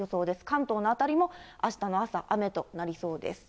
関東の辺りも、あしたの朝、雨となりそうです。